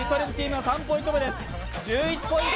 １１ポイント